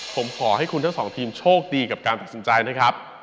ผมขอให้คุณทั้งสองทีมโชคดีกับการตัดสินใจนะครับ